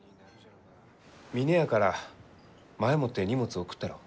峰屋から前もって荷物を送ったろう？